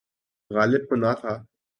غالب کو نہ تھا۔